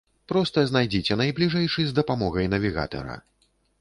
Проста знайдзіце найбліжэйшы з дапамогай навігатара.